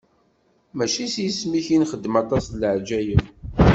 Mačči s yisem-ik i nexdem aṭas n leɛǧayeb?